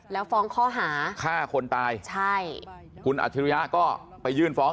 แล้วฟ้องข้อหาฆ่าคนตายใช่คุณอัจฉริยะก็ไปยื่นฟ้อง